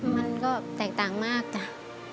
มันก็แตกต่างมากจ้ะ